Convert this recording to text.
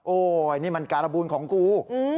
นี่มันการบูลของกู